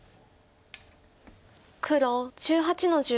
黒１８の十五。